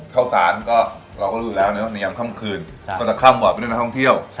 เข้าสารเราก็รู้อยู่แล้วเนี่ยในยามค่ำคืนก็จะค่ำบ่อยไปด้วยในห้องเที่ยว